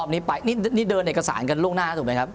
นี่ไปนี่เดินเอกสารกันล่วงหน้าถูกไหมครับ